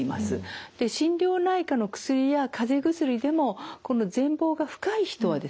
で心療内科の薬や風邪薬でもこの前房が深い人はですね